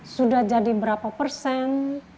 sudah jadi berapa persen